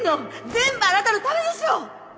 全部あなたのためでしょ！